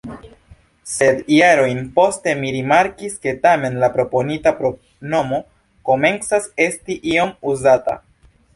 Sed jarojn poste mi rimarkis, ke tamen la proponita pronomo komencas esti iom uzata.